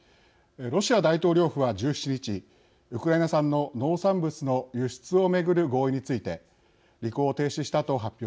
ロシア大統領府は１７日ウクライナ産の農産物の輸出を巡る合意について履行を停止したと発表しました。